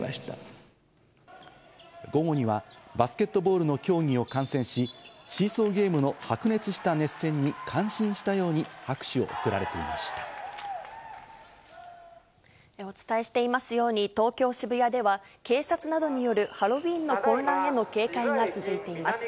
午後には、バスケットボールの競技を観戦し、シーソーゲームの白熱した熱戦に、感心したように拍手を送られていお伝えしていますように、東京・渋谷では、警察などによるハロウィーンの混乱への警戒が続いています。